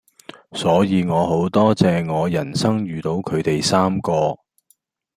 所以我好多謝我人生遇到佢哋三個⠀